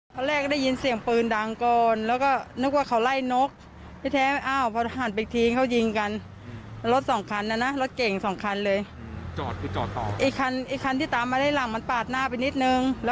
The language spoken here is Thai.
ปั้งสองนัดเลยเดี๋ยวได้ยินเสียงแล้วแหละ